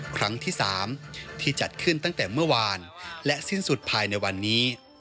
ครั้งที่๓ที่จัดขึ้นตั้งแต่เมื่อวานและสิ้นสุดภายในวันนี้